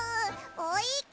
おいけ！